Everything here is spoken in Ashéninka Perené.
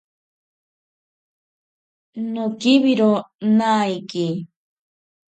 Nokiwiro naiki.